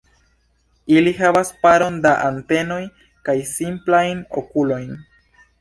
Ili havas paron da antenoj kaj simplajn okulojn.